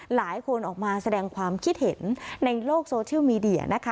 หลายคนออกมาแสดงความคิดเห็นในโลกโซเชียลมีเดียนะคะ